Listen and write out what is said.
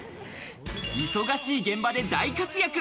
忙しい現場で大活躍。